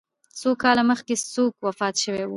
څو کاله مخکي یو څوک وفات سوی و